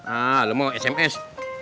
ah lu mau sms